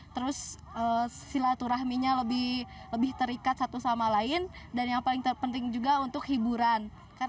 terus silaturahminya lebih terikat satu sama lain dan yang paling terpenting juga untuk hiburan